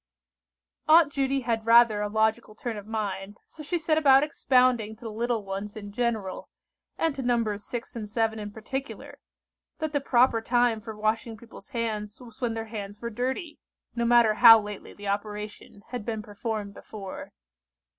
Aunt Judy had rather a logical turn of mind, so she set about expounding to the "little ones" in general, and to Nos. 6 and 7 in particular, that the proper time for washing people's hands was when their hands were dirty; no matter how lately the operation had been performed before.